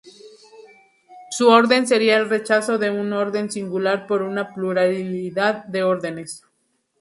Su orden sería el rechazo de un orden singular por una pluralidad de órdenes.